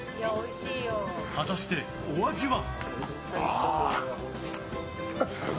果たしてお味は？